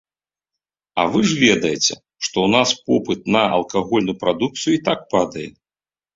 А вы ж ведаеце, што ў нас попыт на алкагольную прадукцыю і так падае.